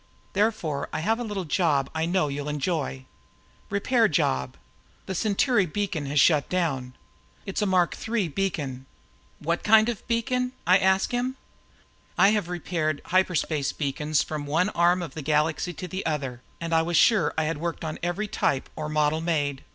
Therefore I have a little job I know you'll enjoy. Repair job. The Centauri beacon has shut down. It's a Mark III beacon...." "What kind of beacon?" I asked him. I have repaired hyperspace beacons from one arm of the Galaxy to the other and was sure I had worked on every type or model made.